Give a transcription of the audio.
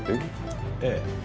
ええ。